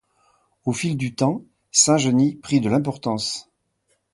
Au fil du temps, Saint-Genis prit de l'importance.